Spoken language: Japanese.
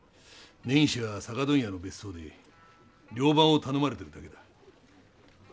根岸は酒問屋の別荘で寮番を頼まれてるだけだ。